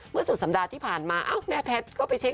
สุดสัปดาห์ที่ผ่านมาแม่แพทย์ก็ไปเช็ค